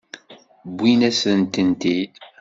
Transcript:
Wwin-asen-tent-id.